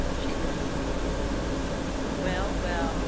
she lisped. "Well, well!